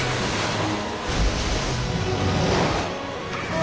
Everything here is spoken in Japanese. あ！